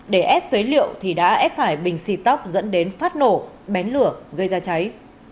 để ép phế liệu thì đã ép phải bình xì tóc dẫn đến phát nổ bén lửa gây ra cháy